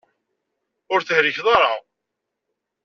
Ur tehlikeḍ ara.